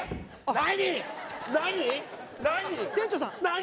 何？